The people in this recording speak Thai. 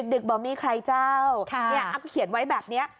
ดึกบอกมีใครเจ้าเขียนไว้แบบนี้